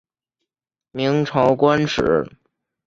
明朝官吏。